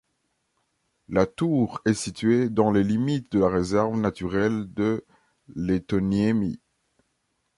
La tour est située dans les limites de la réserve naturelle de Letonniemi.